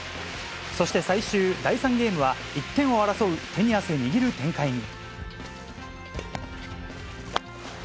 そして最終第３ゲームは、１点を争う、手に汗握る展開に。